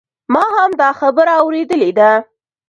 ما هم دا خبره اوریدلې ده